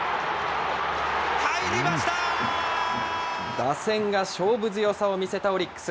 打線が勝負強さを見せたオリックス。